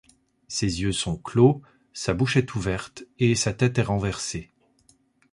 Ses yeux sont clos, sa bouche est ouverte et sa tête est renversée.